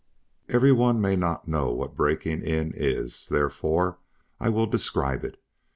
Every one may not know what breaking in is, therefore I will describe it.